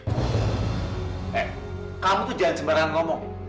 eh kamu tuh jangan sembarangan ngomong